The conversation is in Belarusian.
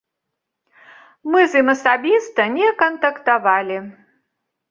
Мы з ім асабіста не кантактавалі.